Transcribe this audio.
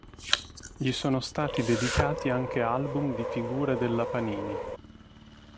Gli sono stati dedicati anche album di figurine della Panini.